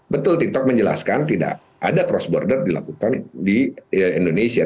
betul tiktok menjelaskan tidak ada cross border dilakukan di indonesia